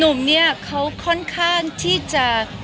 หนุ่มเนี่ยเขาค่อนข้างที่จะ